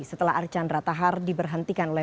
setelah archan ratahar diberhentikan oleh